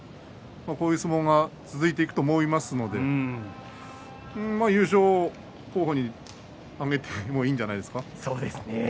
こういう相撲が続いていくと思いますんでまあ優勝候補に挙げてもいいんじゃないですか。